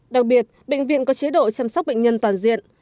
đặc biệt bệnh viện có chế độ chăm sóc bệnh nhân toàn diện